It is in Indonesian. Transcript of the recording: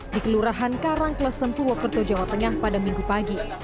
di kelurahan karangklesem purwokerto jawa tengah pada minggu pagi